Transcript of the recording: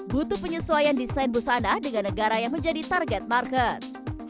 butuh penyesuaian desain busana dengan negara yang menjadi target market